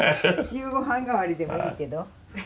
夕ご飯代わりでもいいけど。